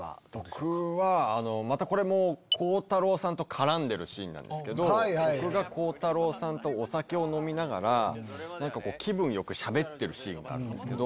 僕はまたこれも鋼太郎さんと絡んでるシーンなんですけど僕が鋼太郎さんとお酒を飲みながら気分よくしゃべってるシーンがあるんですけど。